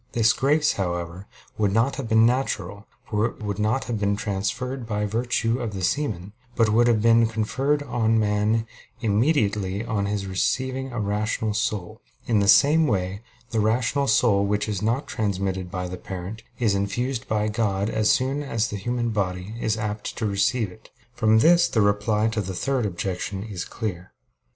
This grace, however, would not have been natural, for it would not have been transfused by virtue of the semen; but would have been conferred on man immediately on his receiving a rational soul. In the same way the rational soul, which is not transmitted by the parent, is infused by God as soon as the human body is apt to receive it. From this the reply to the third objection is clear.